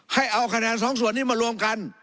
ให้เอาคะแนนสองส่วนนี้มารวมกัน